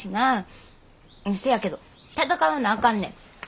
せやけど闘わなあかんねん。